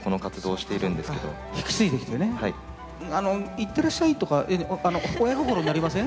いってらっしゃいとか親心になりません？